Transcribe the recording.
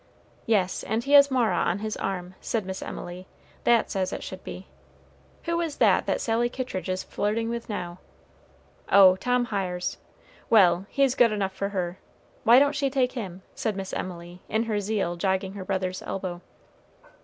"Yes, and he has Mara on his arm," said Miss Emily; "that's as it should be. Who is that that Sally Kittridge is flirting with now? Oh, Tom Hiers. Well! he's good enough for her. Why don't she take him?" said Miss Emily, in her zeal jogging her brother's elbow.